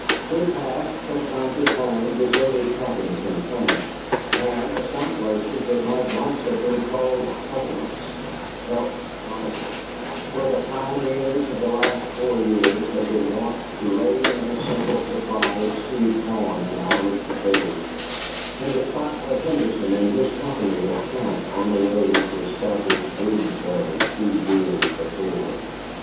We passed, from time to time, deserted cabins and camps, and some places that might once have been called settlements: Elk Garden, where the pioneers of the last four years had been wont to lay in a simple supply of seed corn and Irish potatoes; and the spot where Henderson and his company had camped on the way to establish Boonesboro two years before.